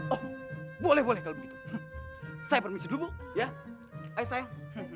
oh boleh boleh kalau begitu saya permisi dulu ya ayo sayang